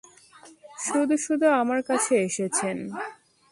শুধু শুধু আমার কাছে এসেছেন।